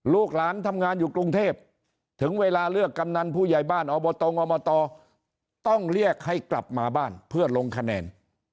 ลูกหลานทำงานอยู่กรุงเทพถึงเวลาเลือกกำนันผู้ใหญ่บ้านอบตอบตต้องเรียกให้กลับมาบ้านเพื่อลงคะแนน